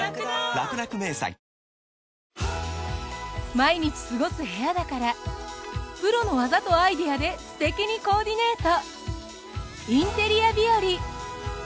毎日過ごす部屋だからプロの技とアイデアですてきにコーディネート。